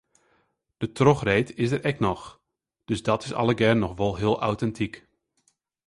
De trochreed is der ek noch, dus dat is allegear noch wol heel autentyk.